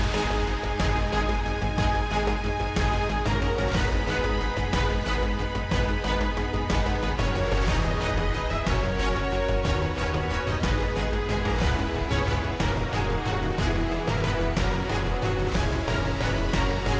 สวัสดีครับ